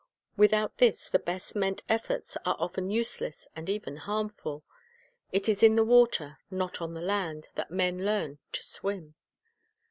Without this the best meant efforts are often useless and even harmful. It is in the water, not on the land, that men learn to swim.